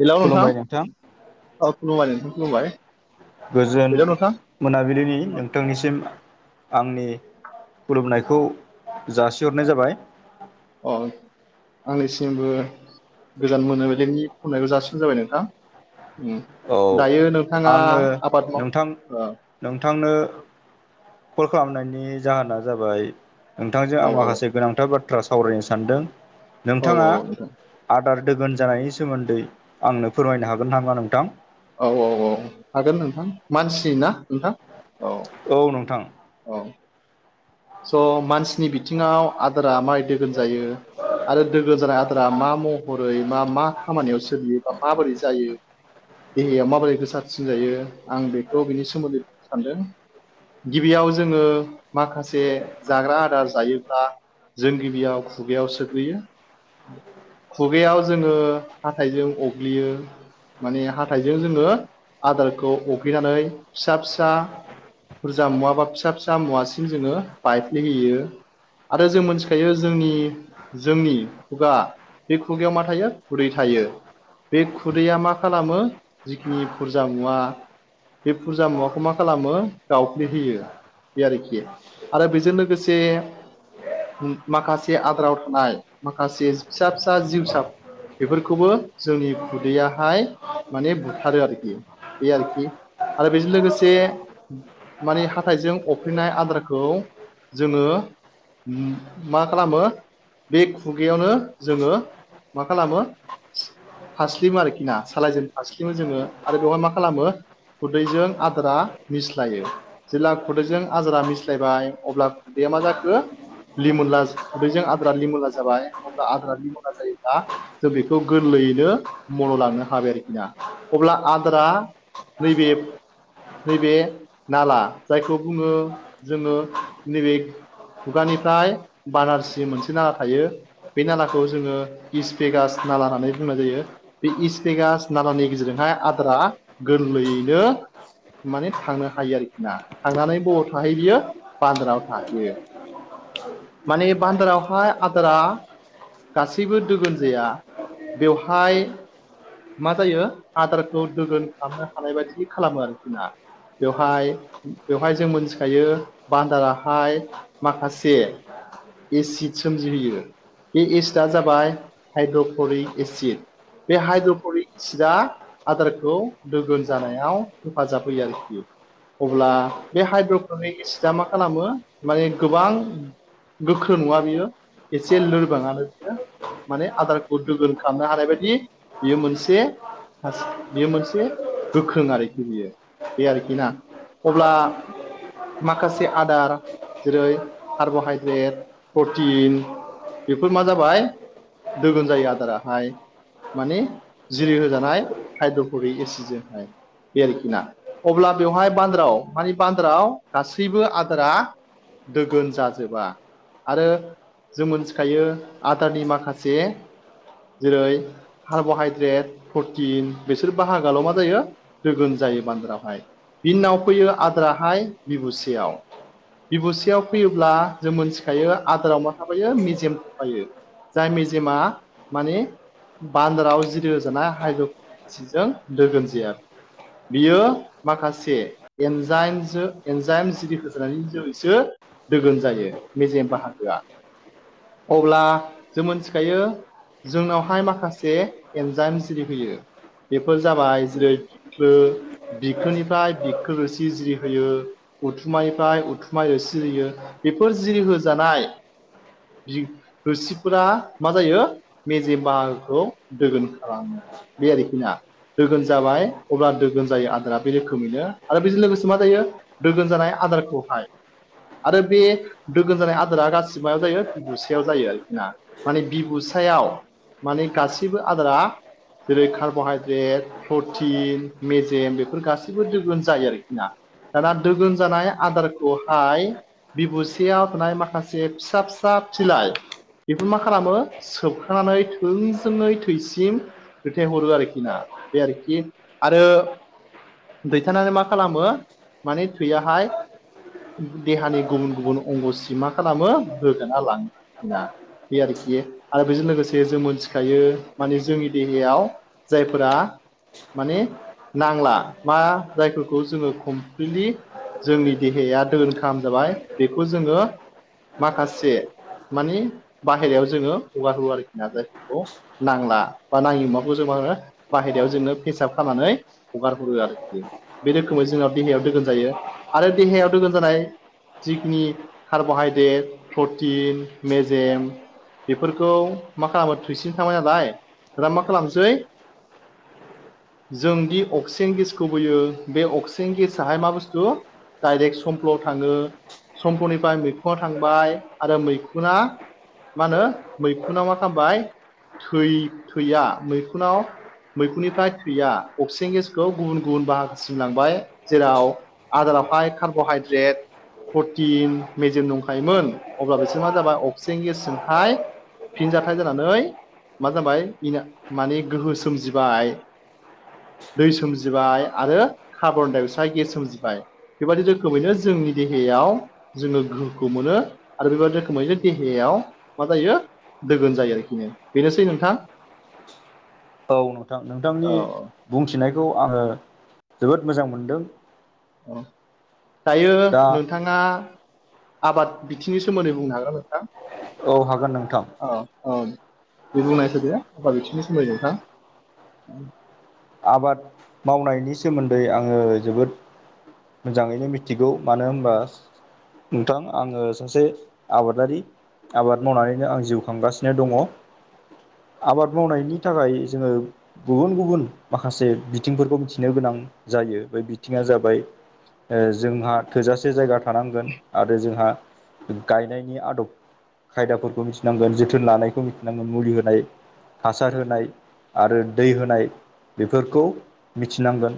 Hello नोंथां औ खुलुमबाय नोंथां खुलुमबाय गोजोन हेलौ नोंथां मोनाबिलिनि नोंथांनिसिम आंनि खुलुमनायखौ जासिहरनाय जाबाय अ आंनिसिमबो गोजान मोनाबिलिनि खुलुमनायखौ जासिनाय जाबाय नोंथां औ दायो नोंथाङा आङो आबाद माव नोंथां नोंथांनो कल खालामनायनि जाहोना जाबाय नोंथांजों आं औ माखासे गोनांथार बाथ्रा बाथ्रा सावरायनो सानदों औ नोंथाङा औ नोंथां आदार दोगोन जानायनि सोमोन्दै आंनो फोरमायनो हागोन नामा नोंथां औ औ औ हागोन नोंथां मानसि ना नोंथां औ औ नोंथां औ स मानसिनि बिथिङाव आदोरा माय दोगोन जायो आरो दोगोन जानाय आदारा मा महरै मा मा खामानियाव सोलियोबा माबोरै जायो देहाया माबोरै गोसाारसिन जायो आं बेखौ बिनि सोमोन्दैनो सानदों गिबियाव जोङो माखासे जे जाग्रा आदार जायोब्ला जों गिबियाव खुगायाव सोग्रोयो खुगायाव जोङो हाथायजों अग्लियो माने हाथथायजों जोङो आदारखौ अफ्लेनानै फिसा फिसा बुरजा मुवा बा फिसा फिसा मुवासिम जोङो बाइफ्लेहैयो आरो जों मोनथिखायो जोंनि जोंनि खुगा बे खुगायाव मा थायो खुदै थायो बे खुदैया मा खालामो जिखिनि बुरजा मुवा बे फुरजा मुवाखौ मा खालामो गावफ्लेहोयो बे आरोखि आरो बेजों लोगोसे माखासे आदाराव थानाय माखासे फिसा फिसा जिउसा बेफोरखौबो जोंनि खुदैयाहाय माने बुथारो आरोखि। बे आरोखि आरो बेजों लोगोसे माने हाथायजों अरफेनाय आद्राखौ जोङो मा खालामो? बे खुगायावनो जोङो मा खालामो? फारास्लिमो आरोखि ना सालायजेन हासलिमो जोङो आरो बेवहाय मा खालामो? खुदैजों आद्राा मिस्लायो जेब्ला खुदैजों आद्रा मिस्लायबाय। अब्ला बेया मा जाखो? लिमोनला गुदैजों आद्रा लिमोनला जाबाय अब्ला आद्रा लिमोनुला जायोब्ला जों बेखौ गोरलैयैनो मनलांनो हाबाय आरोखि ना अब्ला आद्रा नैबे नैबे नाला जायखौ बुङो जोङो नैबे खुगानिफ्राय बानारसि मोनसे नाला थायो। बे नालाखौ जोङो इस फेगास नाला होननानै बुंनाय जायो। बे इसपेगास नालानि गेजेरजोंहाय आद्राा गोरलैयैनो माने थांनो हायो आरोखि ना थांनानै बराव थाहायो बियो बान्दाराव थाहैयो माने बान्दारावहाय आदारा गासैबो दोगोनजाया बेवहाय मा जायो आदारखौ दोगोन खालामनो हानाय बायदि खालामो आरो जोंना। बेवहाय बेवहाय जों मोनथिखायो बान्दाराहाय माखासे एसिड सोमजिहोयो बे एसिडआ जाबाय हाइद्र'क्ल'रिक एसिड। बे हाइद्रपरिसिदा आदारखौ दोगोन जानायाव हेफाजाब होयो आरोखि। अब्ला बे हाइद्रक्रनिक एसिडआ मा खालामो माने गोबां गोख्रों नङा बियो एसे लोरबाङानो बियो माने आदारखौ दोगोन खालामनो हानाय बायदि बियो मोनसे बेयो मोनसे गोख्रों आरोखि बियो बे आरोखि ना। अब्ला माखासे आदार जेरै कार्ब'हाइद्रेट प्रटिन बेफोर मा जाबाय दोगोन जायो आदाराहाय। माने जिरि होजानाय हाइद्रफरिक एसिड जोंहाय। बे आरोखि ना अब्ला बेवहाय बान्द्राव माने बान्द्राव गासैबो आदारा दोगोन जाजोबा आरो जों मोनथिखायो आदारनि माखासे जेरै कार्ब'हाइद्रेट प्रटिन बेसोर बाहागाल' मा जायो दोगोन जायो बान्द्रावहाय। बिनि उनाव फैयो आद्राहाय बिबुसेयाव बिबुसेयाव फैयोब्ला जों मोनथिखायो आदाराव मा थाबायो मेजेम थाबायो। जाय मेजेमा मानिे बान्दाराव जिरो जानाय हायद्र'फलि सिजों दोगोन जाया बियो माखासे एन्जाइनजों एन्जाय एम सिरि होसानै जैसो दोगोन जायो मेजेम बाहागोआ। अब्ला जों मोनथिखायो जोंनावहाय माखासे एन्जाइम जिरि फैयो। बेफोर जाबाय जेरै बिखो बिखोनिफ्राय बिखो रोसि जिरिहोयो। उथुमायफ्राय उथुमाय सिरियो बेफोर जिरिहोजानाय थोरसिफोरा मा जायो मेजे बाहाखौ दोगोन खालामो। बे आरोखि ना ‌। दोगोन जाबाय अब्ला दोगोन जायो आदारा बे रोखोमैनो आरो बेजों लोगोसे मा जायो दोगोन जानाय आदारखौहाय आरो बे दोगोन जानाय आदारा गासिबो जायो गुसेयाव जायो आरो ना माने बिबुसायाव माने गासैबो आदारा जेरै कार्ब'हाइद्रेट प्रटिन मेजेम बेफोर गासैबो दोगोन जायो आरोखि ना दाना दोगोन जानाय आदारखौहाय बिबुसेयाव थानाय माखासे फिसा फिसा बिलाइ बेफोर मा खालामो सोबखानानै थोंजोङै थैसिम दैथायहरो आरोखि ना बे आरोखि आरो दैथायनानै मा खालामो माने थैयाहाय देहानि गुबुन गुबुन अंगसिम मा खालामो रोगाना लाङो बे आरोखि आरो बेजों लोगोसे जों मोनथिखायो माने जोंनि देहायाव जायफोरा माने नांला मा जायफोरखौ जोङो खम जोंनि देहाया दोन खालाम जाबाय बेखौ जोङो माखासे मानि बाहेरायाव जोङो हगारहरो आरोखि ना जायफोरखौ नांला बा नाङि मुवाखौ जों मा‌ होनो बाहेरायाव जोंङो फेसाब खालामनानै हगार हरो आरोखि बे रोखोमै जोंहा देहायाव दोगोन जायो आरो देहायाव दोगोन जानाय जिखिनि कार्ब'हाइद्रेट प्रटिन मेजेम बेफोरखौ मा खालामो थुसिन थांबाय नालाय दा मा खालामसै जों दि अक्सिजेन गेसखौ बोयो बे अक्स थें गेसाहाय मा बुस्थु डाइरेक्ट समफ्ल'आव थाङो समफोरनिफ्राय मैखुनाव थांबाय आरो मैखुना मा होनो मैखुनाव मा खालामबाय थै थैया मैखुनाव मैखुननिफ्राय थैया अक्सिजेन गेसखौ गुबुन गुबुन बाहागोसिम लांबाय जेराव आदारावहाय कार्ब'हाइद्रेट प्रटिन मेजेम दंखायोमोन अब्ला बिसोर मा जाबाय अक्सिजेन गेसजोंहाय फिनजाथाय जानानै मा जाबाय माने गोहो सोमजिबाय दै सोमजिबाय आरो खाबरदाय असाइद गेस सोमजिबाय बेबायदि रोखोमैनो जोंनि देहायाव जोङो गोहोखौ मोनो आरो बेबायदि रोखोमैनो देहायाव मा जायो दोगोन जायो आरोखि बेनोसै नोंथां [inaudible] औ नोंथां नोंथांनि औ बुंथिनायखौ आङो जोबोद मोजां मोनदों औ दायो दा नोंथां ना आबाद बिथिंनि सोमोन्दै बुंनो हागोन ना नोंथां औ हागोन नोंथां औ औ दे बुंनायसाय दे आबाद बिथिंनि सोमोन्दै नोंथां आबाद मावनायनि सोमोन्दै आङो जोबोद मोजाङैनो मिथिगौ मानो होनबा नोंथां आङो सासे आबादारि आबाद मावनानैनो आं जिउ खांगासिनो दङ आबाद मावनायनि थाखाय जोङो गुबुन गुबुन माखासे बिथिंफोरखौ मिथिनो गोनां जायो बे बिथिङा जाबाय जोंहा थोजासे जायगा थानांगोन आरो जोंहा गायनायनि आदब खायदाफोरखौ मिथिनांगोन जोथोन लानायखौ मिथिनांगोन मुलि होनाय हासार होनाय आरो दै होनाय बेफोरखौ मिथिनांगोन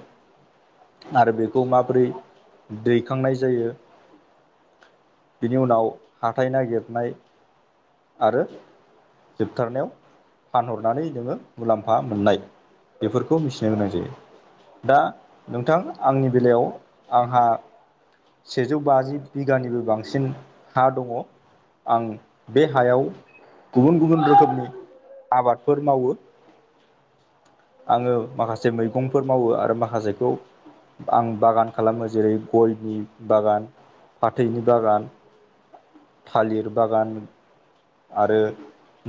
आरो बेखौ माबोरै दैखांनाय जायो बिनि उनाव हाथाय नागिरनाय आरो जोबथारनायाव फानहरनानै नोङो मुलाम्फा मोननाय बेफोरखौ मिथिनो गोनां जायो। दा नोंथां आंनि बेलायाव आंहा सेजौ बाजि बिगानिबो बांसिन हा दङ'। आं बे हायाव गुबुन गुबुन रोखोमनि आबादफोर मावो। आङो माखासे मैगंफोर मावो आरो माखासेखौ आं बागान खालामो जेरै गयनि बागान, फाथैनि बागान थालिर बागान आरो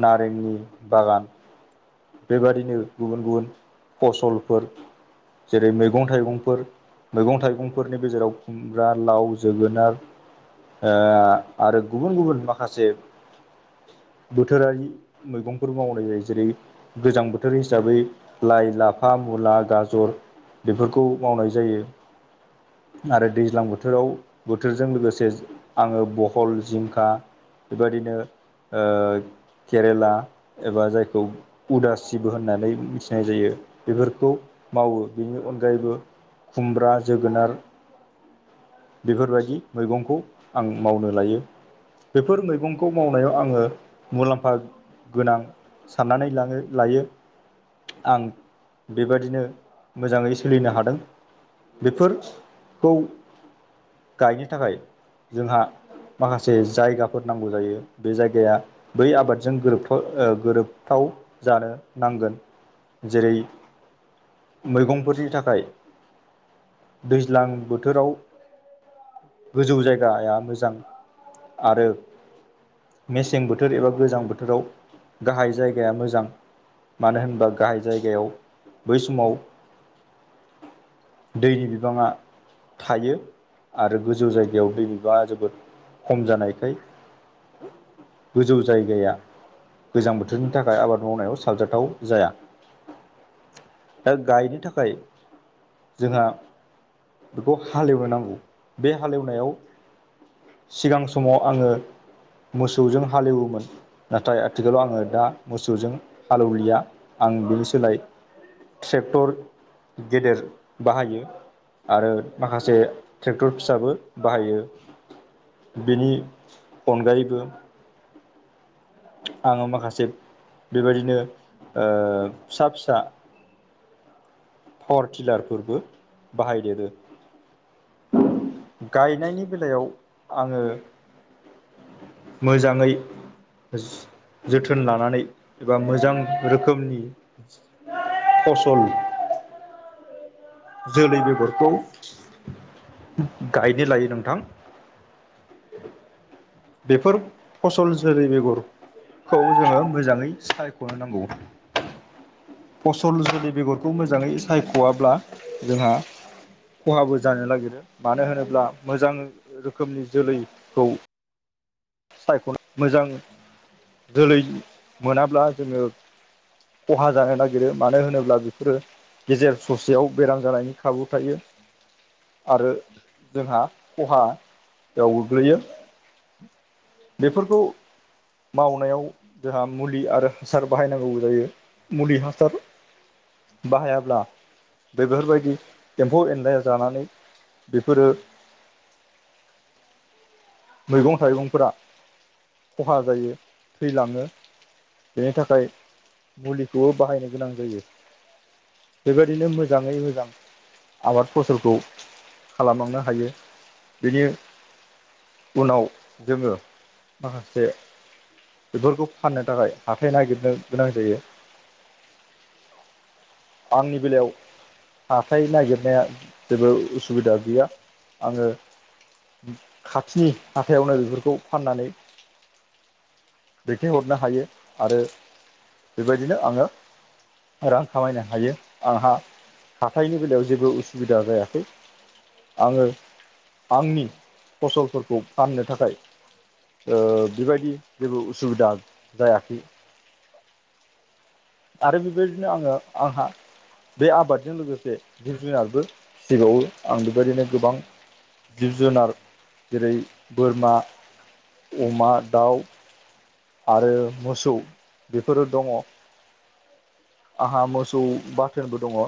नारेंनि बागान। बेबादिनो गुबुन- गुबुन फसलफोर जेरै मैगं थाइगंफोर मैगं थाइगंफोरनि गेजेराव खुमग्रा, लाव, जोगोनार ओ आरो गुबुन गुबुन माखासे बोथोरारि मैगंफोर मावनाय जायो जेरै गोजां बोथोर हिसाबै लाइ, लाफा, मुला, गाजर बेफोरखौ मावनाय जायो। आरो दैज्लां बोथोराव बोथोरजों लोगोसे जो आङो बहल, जिंखा बेबादिनो ओ केरेला एबा जायखौ उदासिबो होननानै मिथिनाय जायो बेफोरखौ मावो बेनि अनगायैबो खुमब्रा, जोगोनार बेफोर बायदि मैगंखौ आं मावनो लायो। बेफोर मैगंखौ मावनायाव आङो मुलाम्फा गोनां साननानै ला। लायो आं बेबादिनो मोजाङै सोलिनो हादों। बेफोरखौ गायनो थाखाय जोंहा माखासे जायगाफोर नांगौ जायो बे जायगाया बै आबादजों गोरोबथाव ओ गोरोबथाव जानो नांगोन जेरै मैगंफोरनि थाखाय दैज्लां बोथोराव गोजौ जायगाया मोजां आरो मेसें बोथोर एबा गोजां बोथोराव गाहाय जायगाया मोजां। मानो होनबा गाहाय जायगायाव बै समाव दैनि बिबाङा थायो आरो गोजौ जायगायाव दै बिबाङा जोबोद खम जानायखाय गोजौ जायगाया गोजां बोथोरनि थाखाय आबाद मावनायाव साबजाथाव जाया दा गायनो थाखाय जोंहा बेखौ हालेवनो नांगौ बे हालेवनायाव सिगां समाव आङो मोसौजों हालेवोमोन नाथाय आथिखालाव आङो दा मोसौजों हालेवलिया आं बिनि सोलाय ट्रेक्टर गेदेर बाहायो। आरो माखासे ट्रेक्टर फिसाबो बाहायो। बेनि अनगायैबो आङो माखासे बेबायदिनो ओ फिसा- फिसा पावारटिलारफोरबो बाहायदेरो। उम। गायनायनि बेलायाव आङो मोजाङै जो-जोथोन लानानै एबा मोजां रोखोमनि फसल जोलै बेगरखौ गायनो लायो नोंथां। बेफोर फसल जोलै बेगरखौ जोङो मोजाङै सायख'नो नांगौ। फसल जोलै बेगरखौ मोजाङै सायख'वाब्ला जोंहा खहाबो जानो नागिरो मानो होनोब्ला मोजां रोखोमनि जोलैखौ सायख'नो मोजां जोलै मोनाब्ला जोङो खहा जानो नागिरो मानो होनोब्ला बेफोरो गेजेर ससेयाव बेराम जानायनि खाबु थायो आरो जोंहा खहायाव गोग्लैयो बेफोरखौ मावनायाव जोंहा मुलि आरो हासार बाहायनांगौ जायो मुलि हासार बाहायाब्ला बेफोरबायदि एम्फौ एनला जानानै बेफोरो मैगं थाइगंफोरा खहा जायो थैलाङो बेनि थाखाय मुलिखौबो बाहायनो गोनां जायो बेबायदिनो मोजाङै मोजां आबाद फसलखौ खालामलांनो हायो बिनि उनाव जोङो माखासे बेफोरखौ फाननो थाखाय हाथाय नागिरनो गोनां जायो आंनि बेलायाव हाथाय नागिरनाया जेबो उसुबिदा गैया आङो खाथिनि हाथायावनो बेफोरखौ फाननानै दैथायहरनो हायो आरो बेबायदिनो आङो रां खामायनो हायो आंहा हाथथायनि बेलायाव जेबो उसुबिदा जायाखै आङो आंनि फसलफोरखौ फाननो थाखाय बेबायदि जेबो उसुबिदा जायाखै आरो बेबायदिनो आङो आंहा बे आबादजों लोगोसे जिब जुनारबो फिसिबावो आं बेबायदिनो गोबां जिब जुनार जेरै बोरमा अमा दाउ आरो मोसौ बेफोरो दङ आंहा मोसौ बाथोनबो दङ